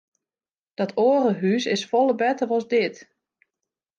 Dat oare hús is folle better as dit.